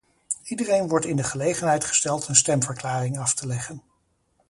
Iedereen wordt in de gelegenheid gesteld een stemverklaring af te leggen.